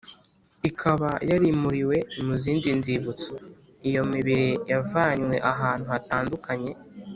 ikaba yarimuriwe mu zindi nzibutso Iyo mibiri yavanywe ahantu hatandukanye